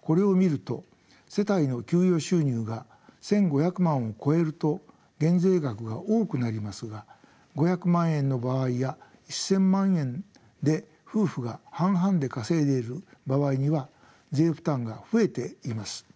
これを見ると世帯の給与収入が１，５００万を超えると減税額が多くなりますが５００万円の場合や１，０００万円で夫婦が半々で稼いでいる場合には税負担が増えています。